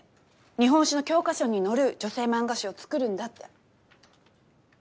日本史の教科書に載る女性漫画誌を作るんだって。